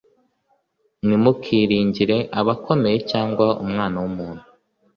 ntimukiringire abakomeye cyangwa umwana wumuntu